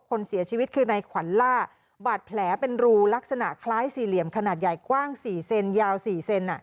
คนเสียชีวิตคือในขวัญล่าบาดแผลเป็นรูลักษณะคล้ายสี่เหลี่ยมขนาดใหญ่กว้างสี่เซนยาวสี่เซน